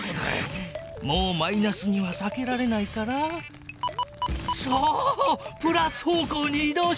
もうマイナスにはさけられないからそう！